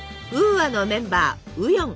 ａｈ！のメンバーウヨン。